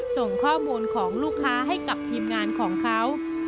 ส่งข้อมูลของลูกค้าให้กับทีมงานของเขา